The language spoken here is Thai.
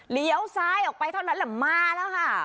เลี้ยวซ้ายออกไปเท่านั้นแหละมาแล้วค่ะ